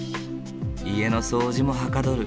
家の掃除もはかどる。